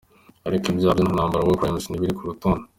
Ariko ibyaha byo mu ntambara “war crimes”, ntibiri ku rutonde.